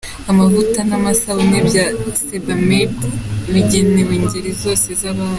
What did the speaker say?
Amavuta n’amasabune bya Sebamed bigenewe ingeri zose z’abantu.